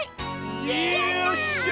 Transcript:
よっしゃ！